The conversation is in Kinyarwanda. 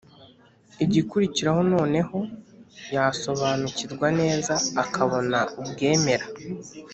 igikurikiraho noneho yasobanukirwa neza akabona ubwemera.